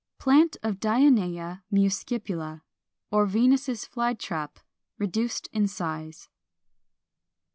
Plant of Dionæa muscipula, or Venus's Fly trap, reduced in size.